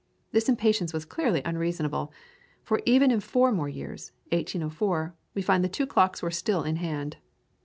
This impatience was clearly unreasonable, for even in four more years, 1804, we find the two clocks were still in hand.